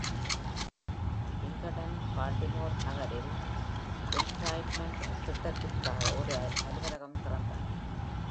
Pinkerton Baltimore நகரில் entrapment திட்டதிற்க்காக ஒரு அலுவலகம் திறந்தார்.